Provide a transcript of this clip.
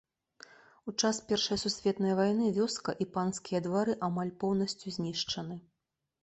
У час першай сусветнай вайны вёска і панскія двары амаль поўнасцю знішчаны.